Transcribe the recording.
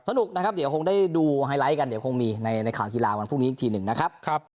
สนุกนะครับเดี๋ยวคงได้ดูไฮไลท์กันเดี๋ยวคงมีในข่าวกีฬาวันพรุ่งนี้อีกทีหนึ่งนะครับ